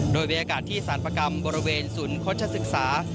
โดยบรรยากาศที่สารประกรรมบริเวณศูนย์โฆษศึกษา